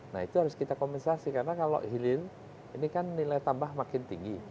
nah itu harus kita kompensasi karena kalau hilir ini kan nilai tambah makin tinggi